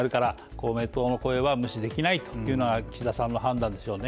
公明党の声は無視できないというのは岸田さんの判断でしょうね。